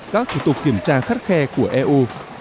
các thủ tục kiểm tra khắt khe của eu